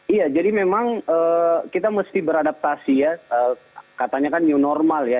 iya jadi memang kita mesti beradaptasi ya katanya kan new normal ya